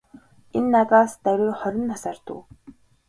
Энэ надаас даруй хорин насаар дүү.